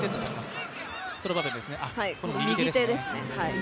右手ですね。